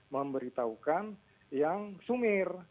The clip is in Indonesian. memberitahukan yang sumir